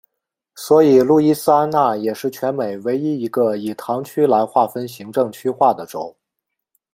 所以路易斯安那也是全美唯一一个以堂区来划分行政区划的州。